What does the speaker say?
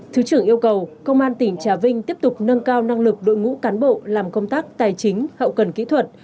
thứ trưởng yêu cầu công an tỉnh trà vinh tiếp tục nâng cao năng lực đội ngũ cán bộ làm công tác tài chính hậu cần kỹ thuật